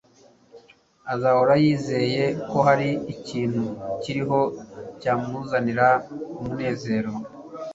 azahora yizeye ko hari ikintu kiriho cyamuzanira umunezero